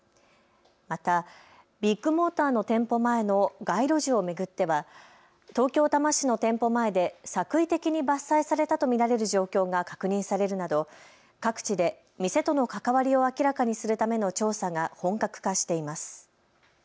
またビッグモーターの店舗前の街路樹を巡っては東京多摩市の店舗前で作為的に伐採されたと見られる状況が確認されるなど各地で店との関わりを明らかにするための調査が本格化しています。